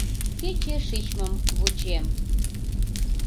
Кече шичмым вучем